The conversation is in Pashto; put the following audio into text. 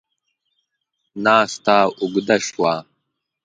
ناسته اوږده شوه.